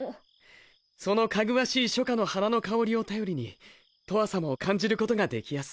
その芳しい初夏の花の香りをたよりにとわさまを感じることができやす。